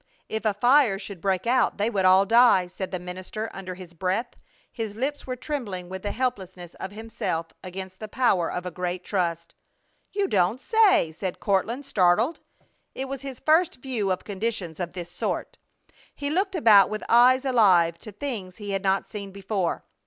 If a fire should break out they would all die!" said the minister under his breath. His lips were trembling with the helplessness of himself against the power of a great trust. "You don't say!" said Courtland, startled. It was his first view of conditions of this sort. He looked about with eyes alive to things he had not seen before.